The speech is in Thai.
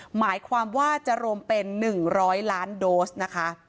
หมายความว่าจะรวมเป็น๑๐๐ล้านโดสนะคะ